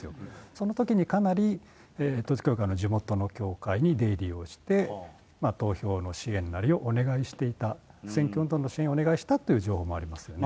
そのときにかなり、統一教会の地元の教会に出入りをして、投票の支援なりをお願いしていた、選挙運動の支援をお願いしたという情報ありますよね。